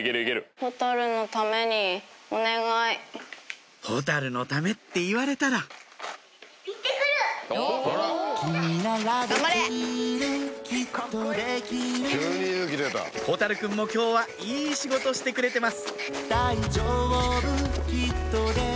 ほたるのためって言われたらほたるくんも今日はいい仕事してくれてます